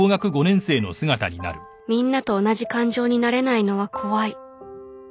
みんなと同じ感情になれないのは怖い